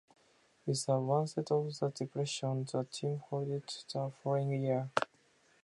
With the onset of the Depression, the team folded the following year.